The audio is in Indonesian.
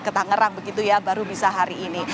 ke tangerang begitu ya baru bisa hari ini